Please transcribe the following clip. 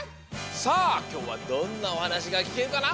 さあきょうはどんなおはなしがきけるかな？